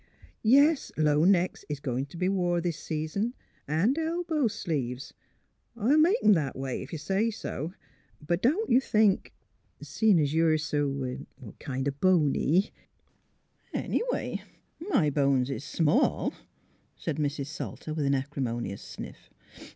... Yes, low necks is goin' t' be wore this season, an' elbow sleeves. ... I '11 make 'em that way, if you say so. But don't you think — seein' you're so kind o' boney "'' Anyway, my bones is small, '' said Mrs. Salter, with an acrimonious sniff.